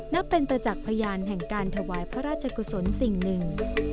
นับเป็นประจักษ์พยานแห่งการถวายพระราชกุศลสิ่งหนึ่ง